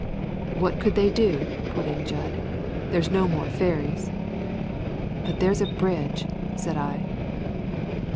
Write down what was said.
"What could they do?" put in Jud. "There's no more ferries." "But there's a bridge," said I.